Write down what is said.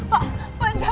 pak pak pak